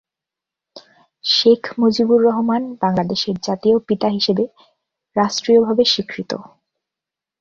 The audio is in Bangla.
শেখ মুজিবুর রহমান বাংলাদেশের জাতির পিতা হিসাবে রাষ্ট্রীয়ভাবে স্বীকৃত।